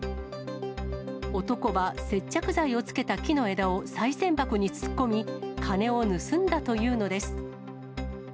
男は接着剤をつけた木の枝をさい銭箱に突っ込み、金を盗んだというのです。